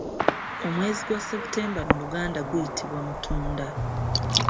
Omwezi gwa September mu luganda guyitibwa Mutunda.